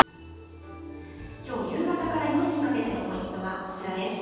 きょう夕方から夜にかけてのポイントはこちらです。